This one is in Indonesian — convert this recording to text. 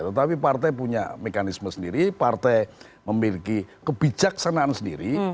tetapi partai punya mekanisme sendiri partai memiliki kebijaksanaan sendiri